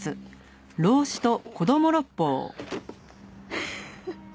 フフフ。